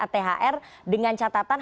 thr dengan catatan harga yang